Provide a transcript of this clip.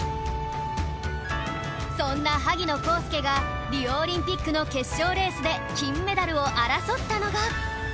そんな萩野公介がリオオリンピックの決勝レースで金メダルを争ったのが